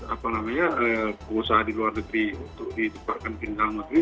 apa namanya pengusaha di luar negeri untuk ditempatkan ke dalam negeri